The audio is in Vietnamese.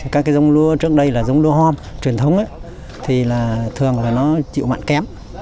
các giống lúa trước đây là giống lúa hôm truyền thống thì thường là nó chịu mặn kém